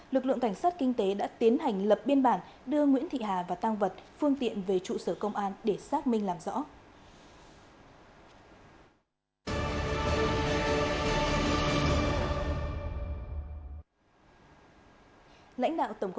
lực lượng cảnh sát kinh tế đã tiến hành lập biên bản đưa nguyễn thị hà và tăng vật phương tiện về trụ sở công an để xác minh làm rõ